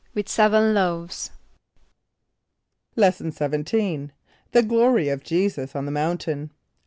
=With seven loaves.= Lesson XVII. The Glory of Jesus on the Mountain.